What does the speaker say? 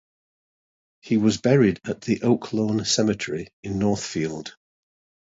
He was buried at the Oaklawn Cemetery in Northfield.